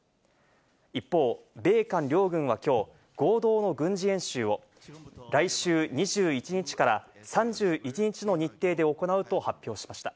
一方、米韓両軍はきょう、合同の軍事演習を来週２１日から３１日の日程で行うと発表しました。